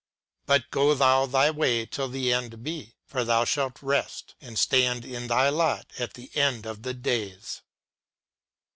But go thou thy vv^ay till the end be ; for thou shalt rest, and stand in thy lot at the end of the days."